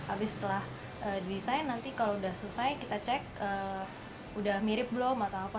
abis setelah didesain nanti kalau sudah selesai kita cek udah mirip belum atau apa